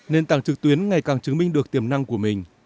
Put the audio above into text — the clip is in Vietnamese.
nền tảng trực tuyến ngày càng chứng minh được tiềm năng của mình